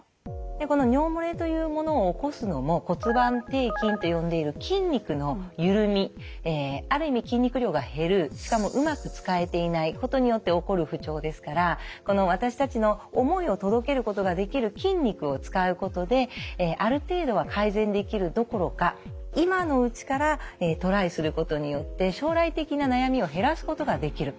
この尿もれというものを起こすのも骨盤底筋と呼んでいる筋肉の緩みある意味筋肉量が減るしかもうまく使えていないことによって起こる不調ですから私たちの思いを届けることができる筋肉を使うことである程度は改善できるどころか今のうちからトライすることによって将来的な悩みを減らすことができる。